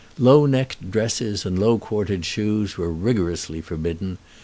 Low necked dresses and low quartered shoes were rigorously forbidden.